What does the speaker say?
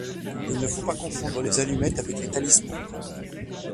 Il ne faut pas confondre les amulettes avec les talismans.